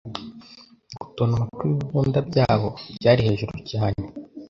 Gutontoma kw'ibibunda byabo byari hejuru cyane.